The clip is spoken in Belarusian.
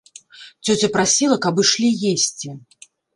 Цёця прасіла, каб ішлі есці.